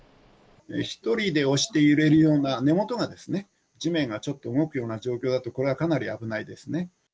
１人で押して揺れるような、根元がですね、地面がちょっと動くような状況だと、これはかなり危ないですね。